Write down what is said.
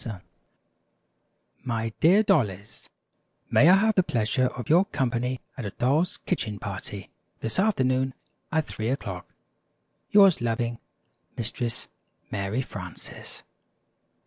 ] [Illustration: My dear Dollies: May I have the pleasure of your company at a Doll's Kitchen Party this afternoon at three o'clock? Your loving (Mistress) Mary Frances.